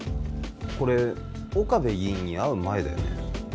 これ岡部議員に会う前だよね？